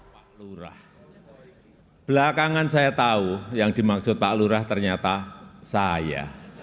pak lurah belakangan saya tahu yang dimaksud pak lurah ternyata saya